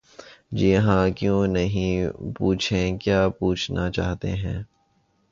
جی ہاں کیوں نہیں...پوچھیں کیا پوچھنا چاہتے ہیں؟